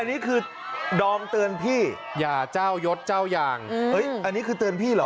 อันนี้คือดอมเตือนพี่อย่าเจ้ายศเจ้ายางอันนี้คือเตือนพี่เหรอ